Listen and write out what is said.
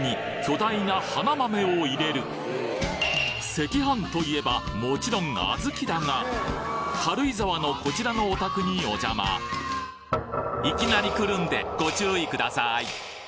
赤飯といえばもちろん小豆だが軽井沢のこちらのお宅にお邪魔いきなり来るんでご注意ください！